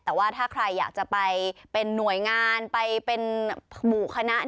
แต่ว่าถ้าใครอยากจะไปเป็นหน่วยงานไปเป็นหมู่คณะ